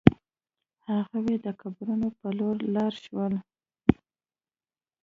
هغوی د قبرونو په لور لاړ شول.